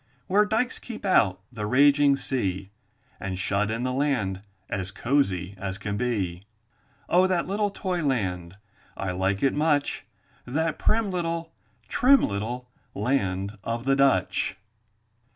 Where dykes keep out the raging sea, And shut in the land as cozy as can be. Oh, that little toy land, I like it much, That prim little, trim little, land of the Dutch!